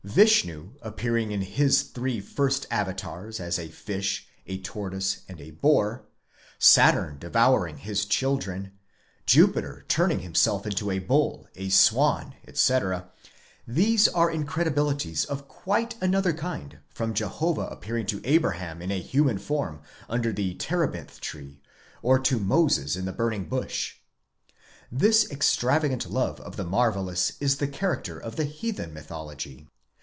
Vishnu appearing in his three first avatars as a fish, a tortoise, and a boar ; Saturn devouring his children; Jupiter turning himself into a bull, a swan, etc.—these are incredibilities of quite another kind from Jehovah appearing to Abraham in a human form under the terebinth tree, or to Moses in the burning bush. This extravagant love of the marvellous is the character of the heathen mythology.